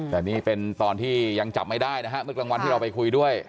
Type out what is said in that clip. แต่นี่เป็นตอนที่ยังจับไม่ได้นะฮะเมื่อกลางวันที่เราไปคุยด้วย